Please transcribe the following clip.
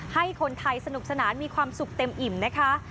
ให้คนไทยสนุกสนานมีความสุขเต็มอิ่มนะคะ